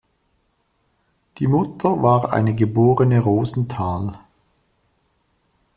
Die Mutter war eine geborene Rosenthal.